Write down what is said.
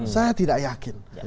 saya tidak yakin